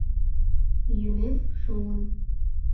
— Йӱмем шуын.